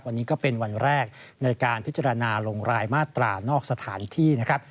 วันนี้ก็เป็นวันแรกในการพิจารณาลงรายมาตรานอกสถานที่นะครับ